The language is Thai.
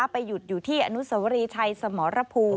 ไปหยุดอยู่ที่อนุสวรีชัยสมรภูมิ